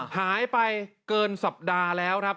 หายไปเกินสัปดาห์แล้วครับ